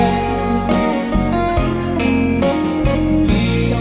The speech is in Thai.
ขอบคุณครับ